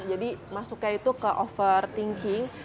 jadi masuknya itu ke over thinking